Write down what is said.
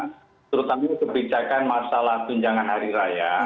terutama kebijakan masalah tunjangan hari raya